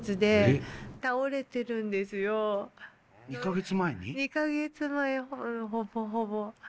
２か月前ほぼほぼ。